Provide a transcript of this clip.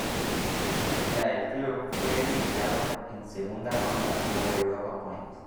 En la el club fue eliminado en segunda ronda por Europa Point.